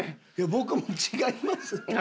僕も違いますって。